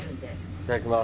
いただきます。